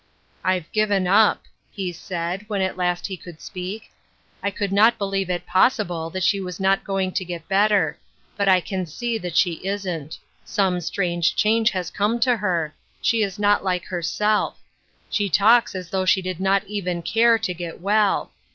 "I've given up," he said when at last he could speak ;" I could not believe it possible that she was not going to get better; but I can see that she isn't ; some strange change has come to her ; she is not like herself ; she talks as though she did not even care to get well.